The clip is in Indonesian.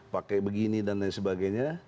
pakai begini dan lain sebagainya